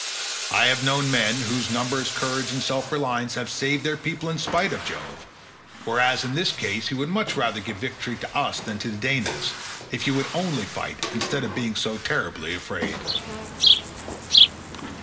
I have known men, whose numbers, courage, and self reliance have saved their people in spite of Jove, whereas in this case he would much rather give victory to us than to the Danaans, if you would only fight instead of being so terribly afraid."